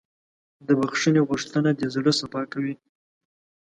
د بښنې غوښتنه د زړه صفا کوي.